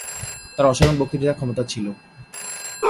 তার অসাধারণ বক্তৃতা ক্ষমতা ছিল।